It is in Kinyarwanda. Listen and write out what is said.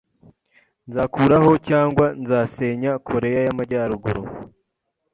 Nzakuraho cyangwa nzasenya Koreya y’Amajyaruguru